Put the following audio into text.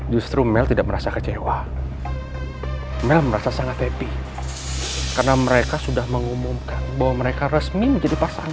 justru mel tidak merasa kecewa mel merasa sangat happy karena mereka sudah mengumumkan bahwa mereka resmi menjadi pasangan